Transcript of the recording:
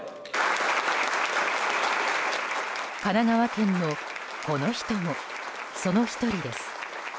神奈川県のこの人もその１人です。